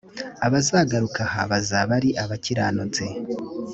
abazagaruka aha bazaba ari abakiranutsi